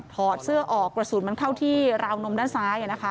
อดเสื้อออกกระสุนมันเข้าที่ราวนมด้านซ้าย